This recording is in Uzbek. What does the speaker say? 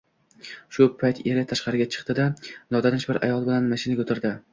Shu payt eri tashqariga chiqdi-da, notanish bir ayol bilan mashinaga o`tirdi